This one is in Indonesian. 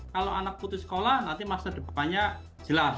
kalau anak putus sekolah nanti masa depannya jelas